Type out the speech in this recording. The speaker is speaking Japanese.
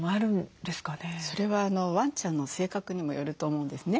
それはワンちゃんの性格にもよると思うんですね。